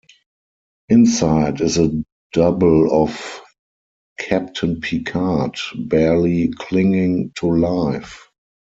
Inside is a double of Captain Picard, barely clinging to life.